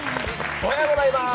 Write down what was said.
おはようございます。